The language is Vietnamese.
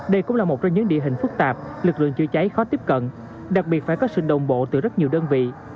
đây cũng là một trong những địa hình phức tạp lực lượng chữa cháy khó tiếp cận đặc biệt phải có sự đồng bộ từ rất nhiều đơn vị